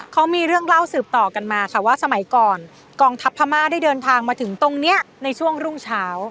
เขามีเรื่องเล่าสืบต่อกันมาค่ะว่าสมัยก่อนกองทัพพม่าได้เดินทางมาถึงตรงนี้ในช่วงรุ่งเช้า